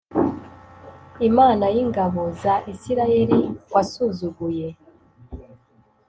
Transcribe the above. Imana y’ingabo za Isirayeli wasuzuguye.